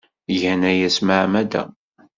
Gan aya s tmeɛmada.